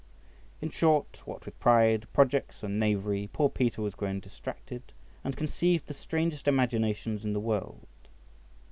In short, what with pride, projects, and knavery, poor Peter was grown distracted, and conceived the strangest imaginations in the world.